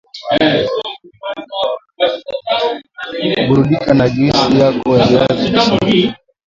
Burudika na juisi yako ya viazi lishe